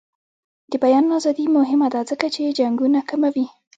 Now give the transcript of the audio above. د بیان ازادي مهمه ده ځکه چې جنګونه کموي.